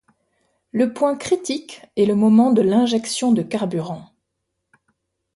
Le point critique est le moment de l'injection de carburant.